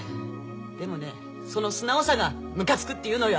でもねその素直さがムカつくっていうのよ